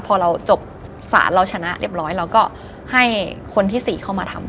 พอเราจบศาลเราชนะเรียบร้อยเราก็ให้คนที่๔เข้ามาทำ